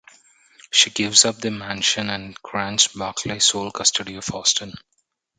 She gives up the mansion and grants Barclay sole custody of Austin.